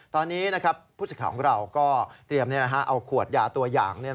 ตอนนี้ผู้สิทธิ์ของเราก็เตรียมเอาขวดยาตัวอย่าง